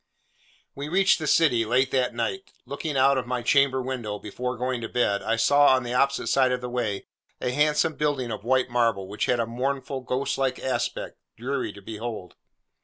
We reached the city, late that night. Looking out of my chamber window, before going to bed, I saw, on the opposite side of the way, a handsome building of white marble, which had a mournful ghost like aspect, dreary to behold.